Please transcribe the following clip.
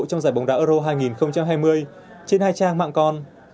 trong giải bóng đá euro hai nghìn hai mươi trên hai trang mạng con